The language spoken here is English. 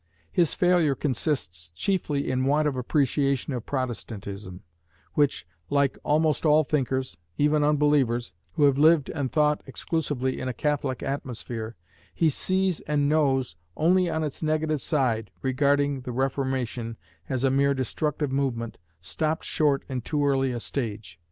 His failure consists chiefly in want of appreciation of Protestantism; which, like almost all thinkers, even unbelievers, who have lived and thought exclusively in a Catholic atmosphere, he sees and knows only on its negative side, regarding the Reformation as a mere destructive movement, stopped short in too early a stage.